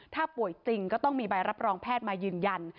ถ้าป่วยจริงก็ต้องมีใบรับรองแพทย์มายืนยัน